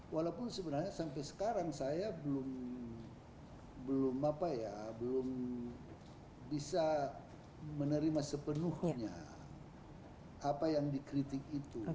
walaupun sebenarnya sampai sekarang saya belum bisa menerima sepenuhnya apa yang dikritik itu